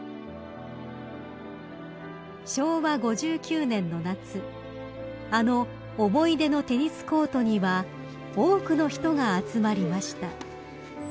［昭和５９年の夏あの思い出のテニスコートには多くの人が集まりました］